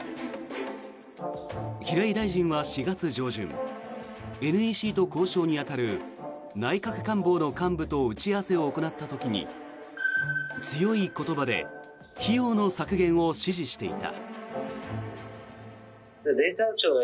平井大臣は４月上旬ＮＥＣと交渉に当たる内閣官房の幹部と打ち合わせを行った時に強い言葉で費用の削減を指示していた。